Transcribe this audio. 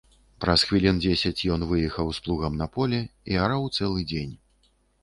Праз хвілін дзесяць ён выехаў з плугам на поле і араў цэлы дзень.